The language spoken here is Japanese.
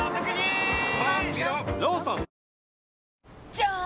じゃーん！